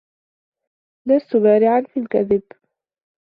لست بارعا في الكذب.